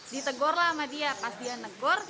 ditegor lah sama dia pas dia negor